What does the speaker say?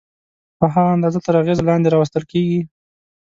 په هغه اندازه تر اغېزې لاندې راوستل کېږي.